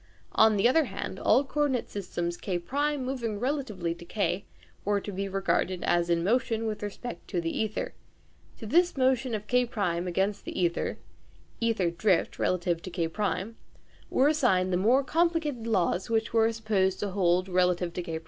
On the other hand, all coordinate systems K1 moving relatively to K were to be regarded as in motion with respect to the ćther. To this motion of K1 against the ćther ("ćther drift " relative to K1) were attributed the more complicated laws which were supposed to hold relative to K1.